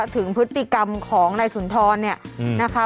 ถึงพฤติกรรมของนายสุนทรเนี่ยนะคะ